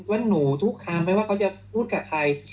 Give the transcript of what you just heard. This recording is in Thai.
ว่าหนูทุกคำไม่ว่าเขาจะพูดกับใคร